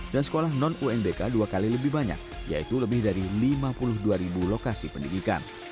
dan sekolah non unbk dua kali lebih banyak yaitu lebih dari lima puluh dua lokasi pendidikan